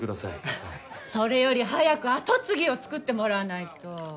それより早く跡継ぎを作ってもらわないと。